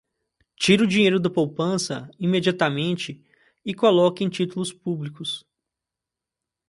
Tire o dinheiro da poupança imediatamente e coloque em títulos públicos